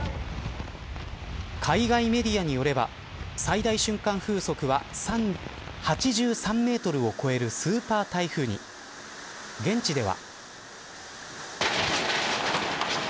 海外メディアによれば最大瞬間風速は８３メートルを超えるスーパー台風に現地では。